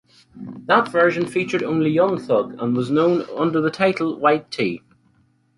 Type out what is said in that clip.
That version featured only Young Thug and was known under the title "White Tee".